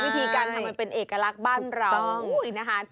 วิธีการทำมันเป็นเอกลักษณ์บ้านเรานะคะ